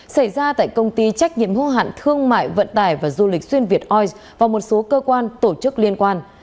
xảy ra tại công ty trách nhiệm hô hạn thương mại vận tải và du lịch xuyên việt ois và một số cơ quan tổ chức liên quan